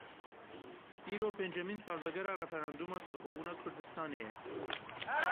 Îro pêncemîn salvegera referandûma serxwebûna Kurdistanê ye.